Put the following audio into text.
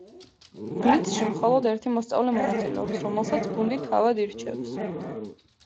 ბლიცში მხოლოდ ერთი მოსწავლე მონაწილეობს, რომელსაც გუნდი თავად ირჩევს.